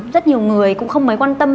rất nhiều người cũng không mấy quan tâm